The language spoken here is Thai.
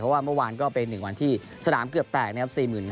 เพราะว่าเมื่อวานก็เป็น๑วันที่สนามเกือบแตกนะครับ